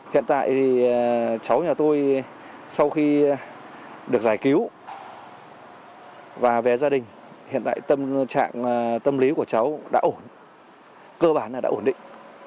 hiện tại thì cháu nhà tôi sau khi được giải cứu và về gia đình hiện tại tâm trạng tâm lý của cháu đã ổn cơ bản đã ổn định